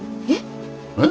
えっ！？